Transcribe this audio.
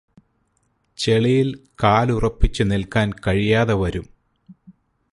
ചെളിയില് കാലുറപ്പിച്ചു നില്ക്കാന് കഴിയാതെ വരും